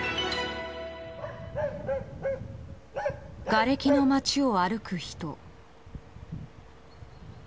がれきの街を歩く人。